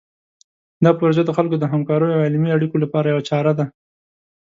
دا پروژه د خلکو د همکاریو او علمي اړیکو لپاره یوه چاره ده.